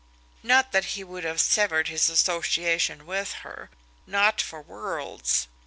Not that he would have severed his association with her not for worlds!